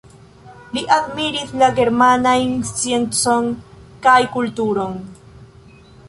Li admiris la germanajn sciencon kaj kulturon.